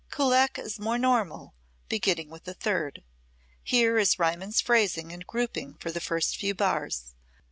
Kullak is more normal, beginning with the third. Here is Riemann's phrasing and grouping for the first few bars.